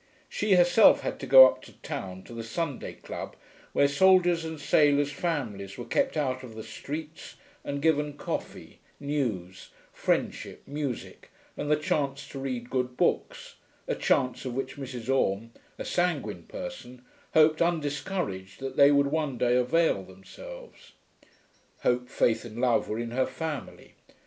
She herself had to go up to town to the Sunday club where soldiers' and sailors' families were kept out of the streets and given coffee, news, friendship, music, and the chance to read good books, a chance of which Mrs. Orme, a sanguine person, hoped undiscouraged that they would one day avail themselves. (Hope, faith, and love were in her family.